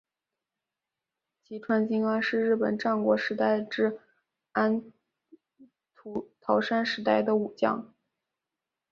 吉川经安是日本战国时代至安土桃山时代的武将。